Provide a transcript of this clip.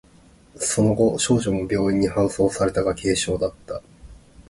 その後、少女も病院に搬送されたが、軽傷だった。